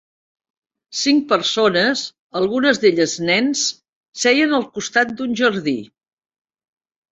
Cinc persones, algunes d'elles nens, seient al costat d'un jardí